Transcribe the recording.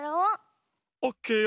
オッケーよ。